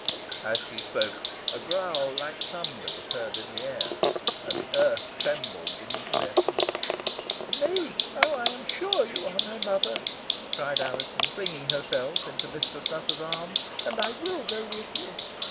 As she spoke, a growl like thunder was heard in the air, and the earth trembled beneath their feet. "Nay, now I am sure you are my mother!" cried Alizon, flinging herself into Mistress Nutter's arms; "and I will go with you."